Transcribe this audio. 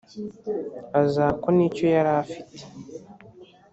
azakwa n’icyo yari afite